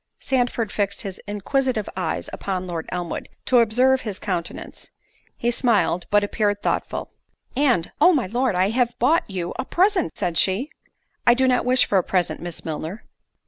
Sandford fixed his inquisitive eyes upon Lord Elmwood, to observe his countenance—he smiled, but appeared thoughtful. "And, oh! my Lord, I have bought you a present," said she. "I do not wish for a present, Miss Milner."